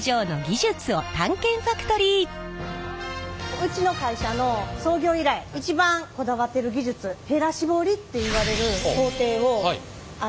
うちの会社の創業以来一番こだわってる技術へら絞りっていわれる工程を見ていただきたいなと思ってます。